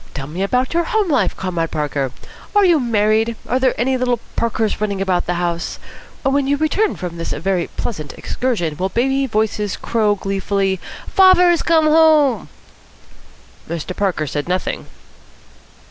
Tell me about your home life, Comrade Parker. Are you married? Are there any little Parkers running about the house? When you return from this very pleasant excursion will baby voices crow gleefully, 'Fahzer's come home'?" Mr. Parker said nothing.